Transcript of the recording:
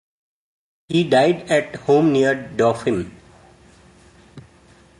He died at home near Dauphin.